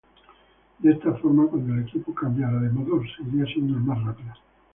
De esta forma cuando el equipo cambiara de modo, seguiría siendo el más rápido.